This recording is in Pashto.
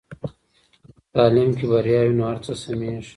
که په تعلیم کې بریا وي نو هر څه سمېږي.